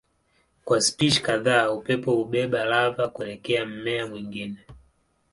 Kwa spishi kadhaa upepo hubeba lava kuelekea mmea mwingine.